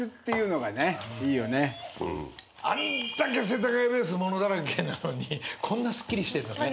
あんだけ世田谷ベース物だらけなのにこんなすっきりしてんだね。